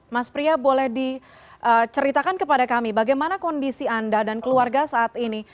mas pria boleh diceritakan kepada kami bagaimana kondisi anda dan keluarga saat ini